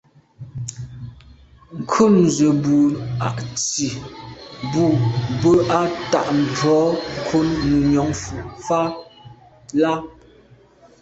Ŋkrʉ̀n zə̃ bù à’ tsì bú bə́ á tà’ mbrò ŋkrʉ̀n nù nyɔ̌ŋ lá’.